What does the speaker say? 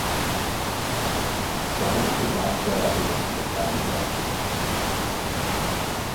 Downing could not bear up against this crowning blow.